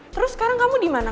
terus sekarang kamu dimana